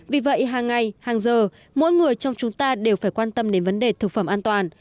vì vậy hàng ngày hàng giờ mỗi người trong chúng ta đều phải quan tâm đến vấn đề thực phẩm an toàn